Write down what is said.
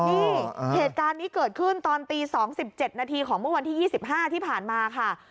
นี่เหตุการณ์ที่เกิดขึ้นตอนตีสองสิบเจ็ดนาทีของเมื่อวันที่ยี่สิบห้าที่ผ่านมาค่ะ